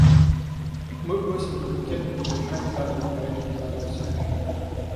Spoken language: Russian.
Мы просим Комитет поддержать данный проект резолюции.